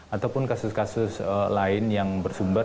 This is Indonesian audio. atau penanganan obey distress misalnya menggunakan masandar